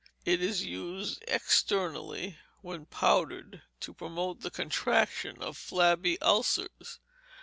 It is used externally, when powdered, to promote the contraction of flabby ulcers.